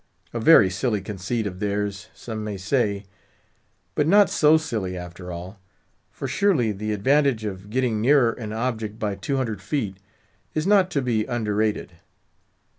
A very silly conceit of theirs, some may say, but not so silly after all; for surely the advantage of getting nearer an object by two hundred feet is not to be underrated.